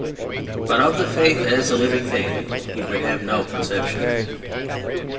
But of the Faith as a living thing he could have no conception.